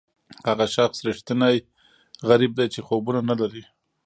هغه شخص ریښتینی غریب دی چې خوبونه نه لري.